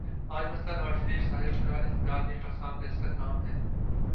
آج مسئلہ نواز شریف صاحب کا اقتدار نہیں، پاکستان کا استحکام ہے۔